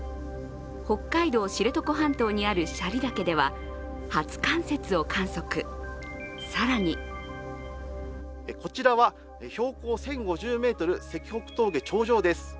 北海道知床半島にある斜里岳では初冠雪を観測、更にこちらは標高１０５０ｍ、石北峠頂上です。